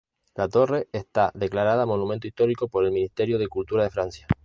La torre está declarada Monumento Histórico por el Ministerio de Cultura de Francia.